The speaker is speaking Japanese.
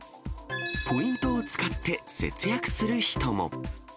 ポイントを使って節約する人も。